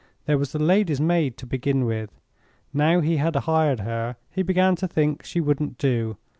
There was the lady's maid, to begin with. Now he had hired her, he began to think she wouldn't do.